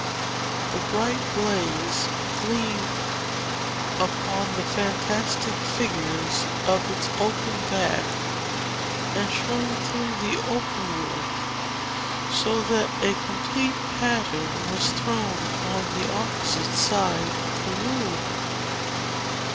The bright blaze gleamed upon the fantastic figures of its oaken back, and shone through the open work, so that a complete pattern was thrown upon the opposite side of the room.